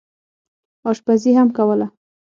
اشپزي هم کوله.